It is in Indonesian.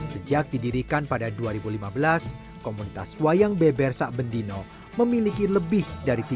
sejak didirikan pada dua ribu lima belas komunitas wayang beber sak bendino memiliki lebih dari